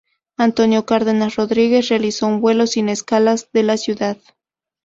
Antonio Cárdenas Rodríguez realizó un vuelo sin escalas de la Cd.